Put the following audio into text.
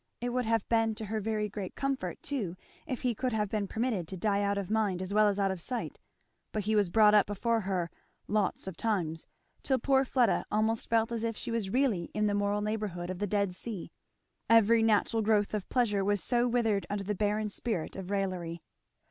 It would have been to her very great comfort too if he could have been permitted to die out of mind as well as out of sight; but he was brought up before her "lots of times," till poor Fleda almost felt as if she was really in the moral neighbourhood of the Dead Sea, every natural growth of pleasure was so withered under the barren spirit of raillery.